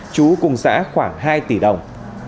chú cùng xã khoảng hai tỷ đồng